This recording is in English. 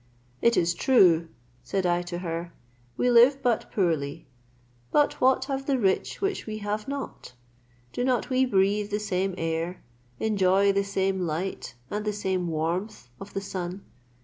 "It is true," said I to her, "we live but poorly; but what have the rich which we have not? Do not we breathe the same air, enjoy the same light and the same warmth of the sun?